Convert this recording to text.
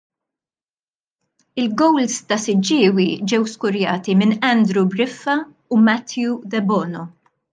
Il-gowls ta' Siġġiewi ġew skurjati minn Andrew Briffa u Matthew Debono.